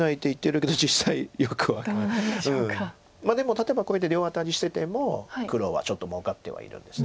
まあでも例えばこれで両アタリしてても黒はちょっともうかってはいるんです。